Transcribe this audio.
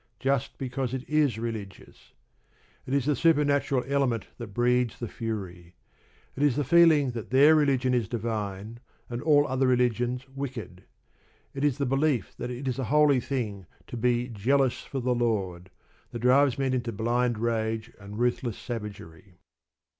Just because it is religious. It is the supernatural element that breeds the fury. It is the feeling that their religion is divine and all other religions wicked: it is the belief that it is a holy thing to be "jealous for the Lord," that drives men into blind rage and ruthless savagery.